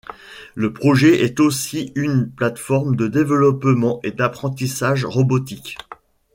Le projet est aussi une plateforme de développement et d'apprentissage robotique.